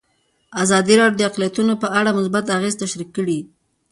ازادي راډیو د اقلیتونه په اړه مثبت اغېزې تشریح کړي.